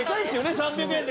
３００円で。